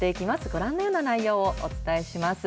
ご覧のような内容をお伝えします。